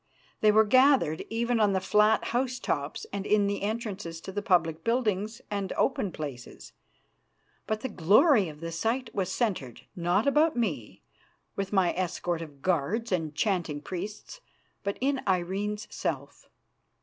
They were gathered even on the flat house tops and in the entrances to the public buildings and open places. But the glory of the sight was centred, not about me, with my escort of guards and chanting priests, but in Irene's self.